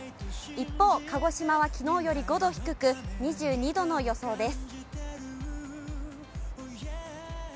一方、鹿児島はきのうより５度低く、２２度の予想です。